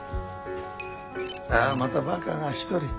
あまたバカが一人。